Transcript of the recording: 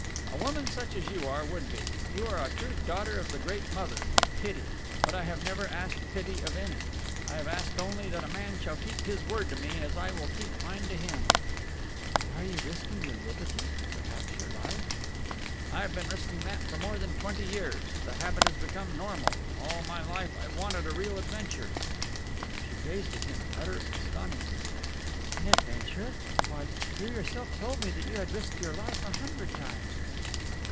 "A woman such as you are would be. You are a true daughter of the great mother Pity. But I have never asked pity of any. I have asked only that a man shall keep his word to me as I will keep mine to him." "But you are risking your liberty, perhaps your life!" "I've been risking that for more than twenty years. The habit has become normal. All my life I've wanted a real adventure." She gazed at him in utter astonishment. "An adventure? Why, you yourself told me that you had risked your life a hundred times!"